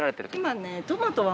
今ね。